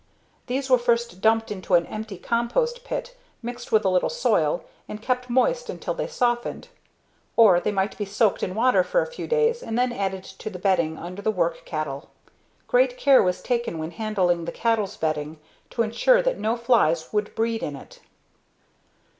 These were first dumped into an empty compost pit, mixed with a little soil, and kept moist until they softened. Or they might be soaked in water for a few days and then added to the bedding under the work cattle. Great care was taken when handling the cattle's bedding to insure that no flies would breed in it.